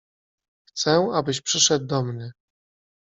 — Chcę, abyś przyszedł do mnie.